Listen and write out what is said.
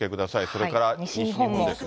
それから西日本ですが。